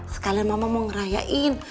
sekalian mama mau ngerayain